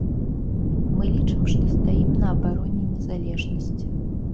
Мы лічым, што стаім на абароне незалежнасці.